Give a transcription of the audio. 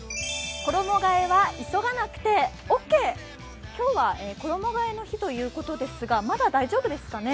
衣がえは急がなくてオーケー今日は衣がえの日ですがまだ大丈夫ですかね。